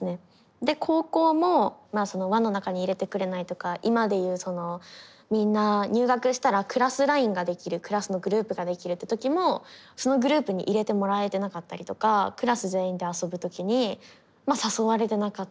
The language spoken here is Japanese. で高校も輪の中に入れてくれないとか今で言うそのみんな入学したらクラスＬＩＮＥができるクラスのグループができるってときもそのグループに入れてもらえてなかったりとかクラス全員で遊ぶときにま誘われてなかったりとか。